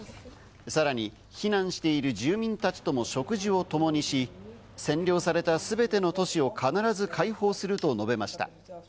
さらに避難している住民たちとも食事をともにし、占領されたすべての都市を必ず解放すると述べました。